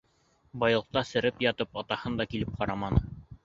Байлыҡта сереп ятып, атаһын да килеп ҡараманы.